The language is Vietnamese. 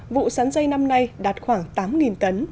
vụ sắn dây năm nay đạt khoảng tám tấn